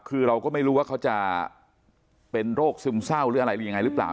คือเราก็ไม่รู้ว่าเขาจะเป็นโรคซึมเศร้าหรืออะไรหรือยังไงหรือเปล่า